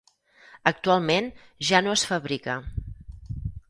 Actualment ja no es fabrica.